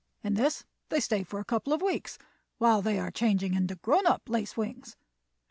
In this they stay for a couple of weeks, while they are changing into grown up lace wings.